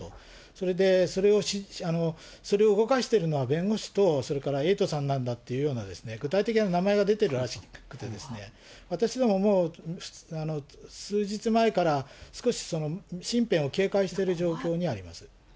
それで、それを動かしているのは弁護士とそれからエイトさんなんだって、具体的な名前が出てるらしくて、私どもも数日前から、少し身辺を警戒してる状況にあります。